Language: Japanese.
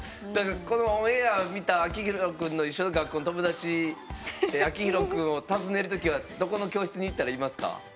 このオンエア見たアキヒロくんの一緒の学校の友達アキヒロくんを訪ねるときはどこの教室に行ったらいますか？